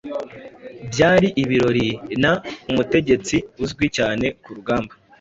Bya ibirori na umutegetsi uzwi cyane kurugamba